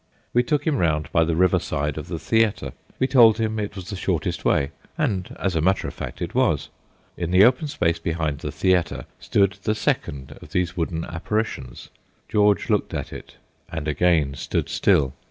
We took him round by the riverside of the theatre. We told him it was the shortest way, and, as a matter of fact, it was. In the open space behind the theatre stood the second of these wooden apparitions. George looked at it, and again stood still.